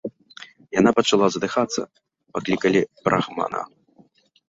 Яна пачала задыхацца, паклікалі брахмана.